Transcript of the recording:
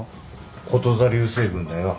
こと座流星群だよ。